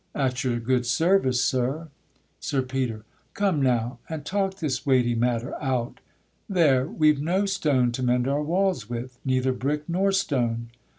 At your good service, sir. SIR PETER. Come now, and talk This weighty matter out; there, we've no stone To mend our walls with, neither brick nor stone.